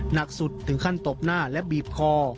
หนักสุดถึงขั้นตบหน้าและบีบคอ